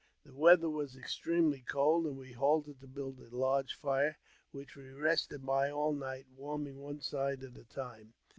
The weather was extremely cold, and we halted to build a large fire, which we rested by all night, warming one side at a time.